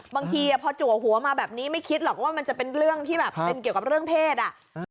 บางทีพอจัวหัวมาแบบนี้ไม่คิดหรอกว่ามันจะเป็นเรื่องที่แบบเป็นเกี่ยวกับเรื่องเพศอ่ะ